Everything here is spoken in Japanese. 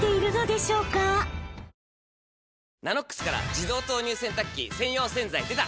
「ＮＡＮＯＸ」から自動投入洗濯機専用洗剤でた！